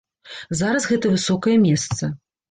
Зараз гэта высокае месца.